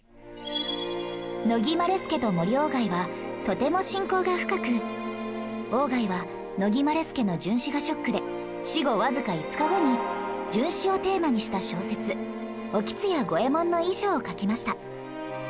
乃木希典と森外はとても親交が深く外は乃木希典の殉死がショックで死後わずか５日後に殉死をテーマにした小説『興津弥五右衛門の遺書』を書きました